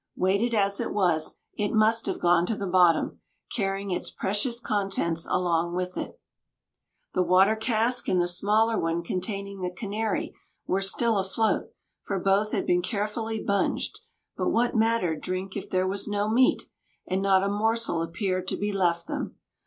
Weighted as it was, it must have gone to the bottom, carrying its precious contents along with it. The water cask and the smaller one containing the Canary were still afloat, for both had been carefully bunged; but what mattered drink if there was no meat? and not a morsel appeared to be left them.